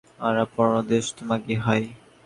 আঁরা পরর দেশত মাগি হাই।